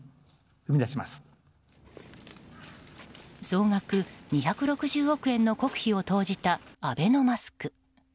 総額２６０億円の国費を投じたアベノマスク。